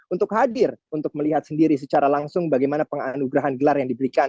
untuk hadir untuk melihat sendiri secara langsung bagaimana penganugerahan gelar yang diberikan